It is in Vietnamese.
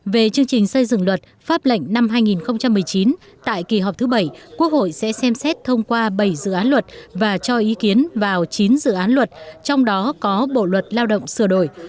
về chương trình xây dựng luật pháp lệnh năm hai nghìn một mươi chín tại kỳ họp thứ bảy quốc hội sẽ xem xét thông qua bảy dự án luật và cho ý kiến vào chín dự án luật trong đó có bộ luật lao động sửa đổi